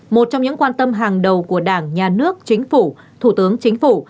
một trong những quan tâm hàng đầu của đảng nhà nước chính phủ thủ tướng chính phủ